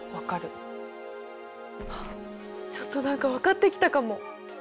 あっちょっと何か分かってきたかも。